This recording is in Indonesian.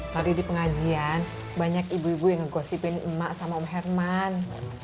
tadi di pengajian banyak ibu ibu yang ngegosipin emak sama om herman